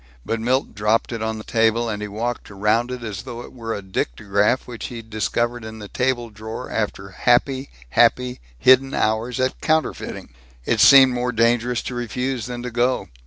But Milt dropped it on the table, and he walked round it as though it were a dictagraph which he'd discovered in the table drawer after happy, happy, hidden hours at counterfeiting. It seemed more dangerous to refuse than to go.